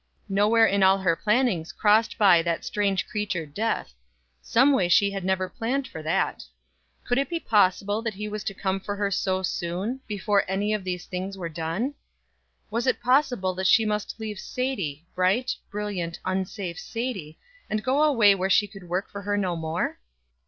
Nowhere in all her plannings crossed by that strange creature Death; someway she had never planned for that. Could it be possible that he was to come for her so soon, before any of these things were done? Was it possible that she must leave Sadie, bright, brilliant, unsafe Sadie, and go away where she could work for her no more?